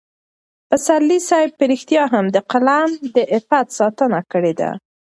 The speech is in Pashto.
پسرلي صاحب په رښتیا هم د قلم د عفت ساتنه کړې ده.